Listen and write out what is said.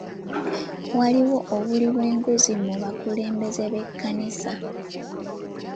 Waliwo obuli bw'enguzi mu bakulembeze b'ekkanisa.